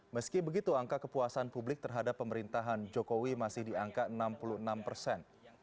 meski begitu angka kepuasan publik terhadap pemerintahan jokowi masih di angka enam puluh enam persen